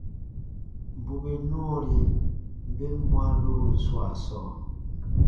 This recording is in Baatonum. Bù bè nɔɔri ben bwãa dobun swaa sɔɔ,